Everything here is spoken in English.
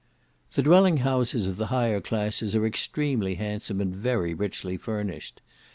The dwelling houses of the higher classes are extremely handsome, and very richly furnished.